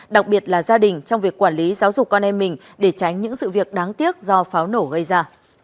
đặc biệt là gia đình trong việc quản lý giáo dục con em mình để tránh những sự việc đáng tiếc do pháo nổ gây ra